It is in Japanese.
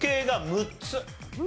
６つ！？